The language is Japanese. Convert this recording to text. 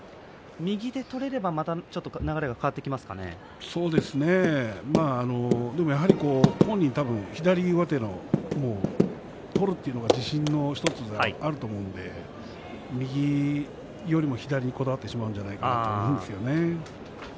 右で取れればやはり本人左上手を取るというのが自信の１つだと思うので右よりも左にこだわってしまうんじゃないかと思うんですよね。